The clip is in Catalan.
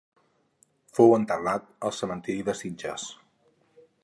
Fou enterrat al cementiri de Sitges.